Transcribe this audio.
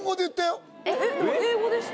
英語でした。